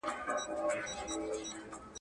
په خبرو کې اعتدال وکړئ.